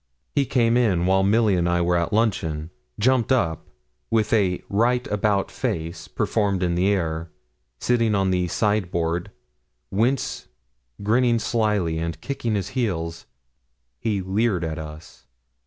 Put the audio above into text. He came in while Milly and I were at luncheon, jumped up, with a 'right about face' performed in the air, sitting on the sideboard, whence grinning slyly and kicking his heels, he leered at us.